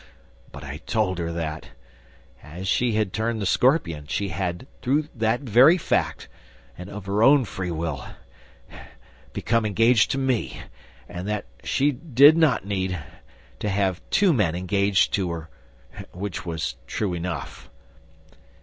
But I told her that, as she had turned the scorpion, she had, through that very fact, and of her own free will, become engaged to me and that she did not need to have two men engaged to her, which was true enough.